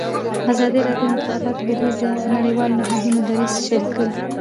ازادي راډیو د د انتخاباتو بهیر د نړیوالو نهادونو دریځ شریک کړی.